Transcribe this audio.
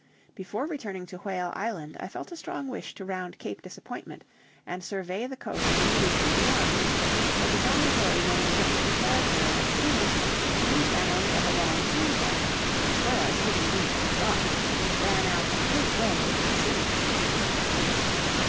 Before returning to Whale Island, I felt a strong wish to round Cape Disappointment and survey the coast immediately beyond, but the promontory maintained the character of its name, and we found that a long sandbank, as well as hidden reefs and rocks, ran out a great way into the sea.